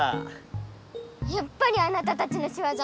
やっぱりあなたたちのしわざ？